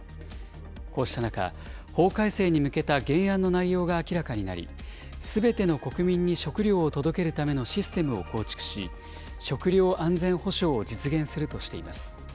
こうした中、法改正に向けた原案の内容が明らかになり、すべての国民に食料を届けるためのシステムを構築し、食料安全保障を実現するとしています。